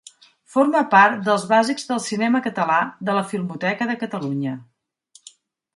Forma part dels Bàsics del cinema català de la Filmoteca de Catalunya.